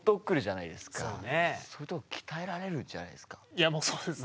いやもうそうですね。